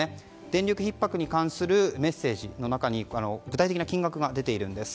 電力ひっ迫に関するメッセージの中に具体的な金額が出ているんです。